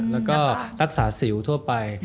แล้วก็รักษาสิวทั่วไป